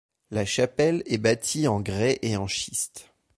La chapelle est bâtie en grès et en schiste.